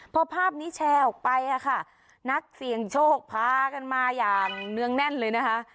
พอภาพนี้แชร์ออกไปค่ะนักเสี่ยงโชคพากันมาอย่างเนื่องแน่นเลยนะคะ